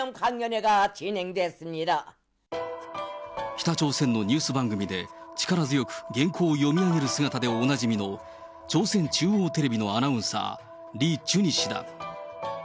北朝鮮のニュース番組で、力強く原稿を読み上げる姿でおなじみの朝鮮中央テレビのアナウンサー、リ・チュニ氏だ。